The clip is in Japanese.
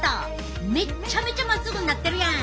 めっちゃめちゃまっすぐになってるやん！